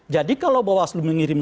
jadi kalau bawaslu mengirim